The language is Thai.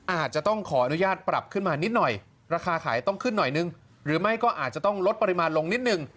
อาจจะต้องขออนุญาตปรับขึ้นมานิดหน่อยราคาขายต้องขึ้นหน่อยนึงหรือไม่ก็อาจจะต้องลดปริมาณลงนิดนึง